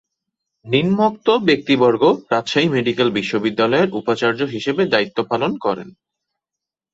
নিম্নোক্ত ব্যক্তিবর্গ রাজশাহী মেডিকেল বিশ্ববিদ্যালয়ের উপাচার্য হিসেবে দায়িত্ব পালন করেন-